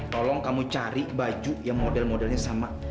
tolong kamu cari baju yang model modelnya sama